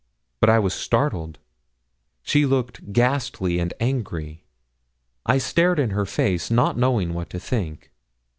But I was startled. She looked ghastly and angry. I stared in her face, not knowing what to think.